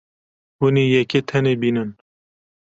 Hûn ê yekê tenê bînin.